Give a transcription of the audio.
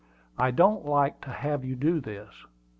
"I don't like to have you do this.